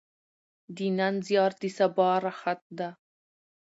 د نن زیار د سبا راحت ده.